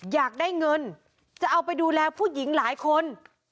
อยากได้เงินจะเอาไปดูแลผู้หญิงหลายคน